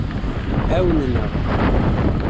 Ɛawnen-aneɣ.